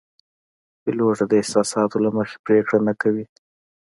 پیلوټ د احساساتو له مخې پرېکړه نه کوي.